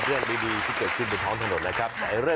เรื่องดีที่เกิดขึ้นบนท้องถนนนะครับ